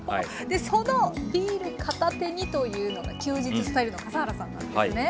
でそのビール片手にというのが休日スタイルの笠原さんなんですね。